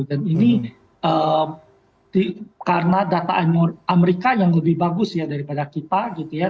dan ini karena data amerika yang lebih bagus ya daripada kita gitu ya